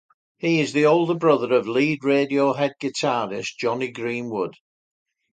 He is the older brother of lead Radiohead guitarist Jonny Greenwood.